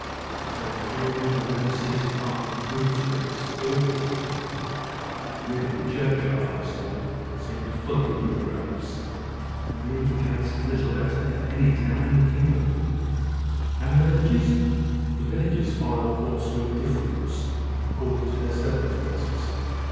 They say the funerals have never ceased passing through the streets, all this week; and really the churchyard I saw seemed full of new graves. I believe the case is little better in any town in the kingdom." "And in the villages?" "The villages follow, of course, with differences according to their circumstances.